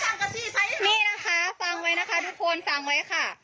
นี่นะคะฟังไว้นะคะทุกคนฟังไว้ค่ะ